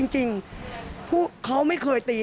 จริงพวกเขาไม่เคยตี